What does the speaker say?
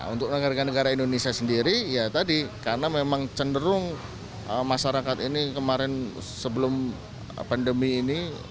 untuk warga negara indonesia sendiri ya tadi karena memang cenderung masyarakat ini kemarin sebelum pandemi ini